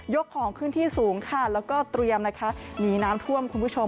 ของขึ้นที่สูงค่ะแล้วก็เตรียมนะคะหนีน้ำท่วมคุณผู้ชม